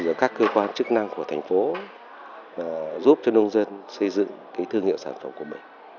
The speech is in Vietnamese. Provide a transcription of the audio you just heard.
giữa các cơ quan chức năng của thành phố giúp cho nông dân xây dựng thương hiệu sản phẩm của mình